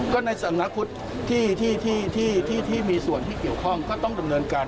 ก็ในสำนักพุทธที่มีส่วนที่เกี่ยวข้องก็ต้องดำเนินการ